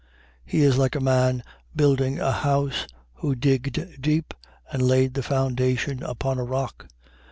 6:48. He is like to a man building a house, who digged deep and laid the foundation upon a rock.